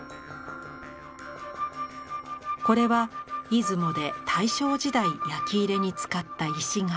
これは出雲で大正時代焼き入れに使った石釜。